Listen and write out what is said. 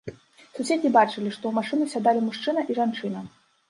Суседзі бачылі, што ў машыну сядалі мужчына і жанчына.